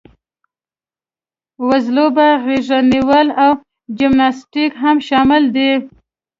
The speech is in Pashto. وزلوبه، غېږه نیول او جمناسټیک هم شامل دي.